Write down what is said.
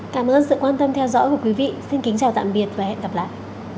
cảm ơn sự quan tâm theo dõi của quý vị xin kính chào tạm biệt và hẹn gặp lại